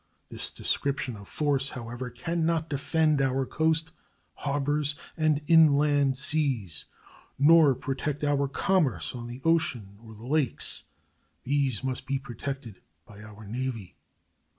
This description of force, however, can not defend our coast, harbors, and inland seas, nor protect our commerce on the ocean or the Lakes. These must be protected by our Navy.